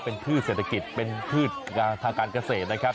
เป็นพืชเศรษฐกิจเป็นพืชทางการเกษตรนะครับ